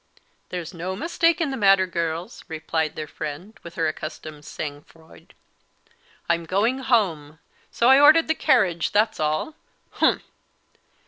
"There's no mistake in the matter, girls," replied their friend, with her accustomed sang froid. "I'm going home; so I ordered the carriage; that's all humph!"